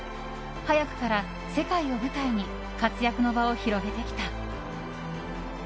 早くから世界を舞台に活躍の場を広げてきた。